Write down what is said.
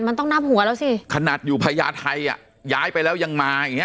มันต้องนับหัวแล้วสิขนาดอยู่พญาไทยอ่ะย้ายไปแล้วยังมาอย่างเงี้